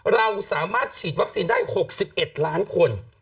เราสามารถฉีดวัคซีนได้๖๑ล้านคน